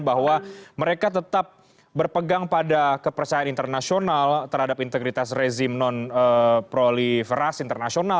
bahwa mereka tetap berpegang pada kepercayaan internasional terhadap integritas rezim non proliferasi internasional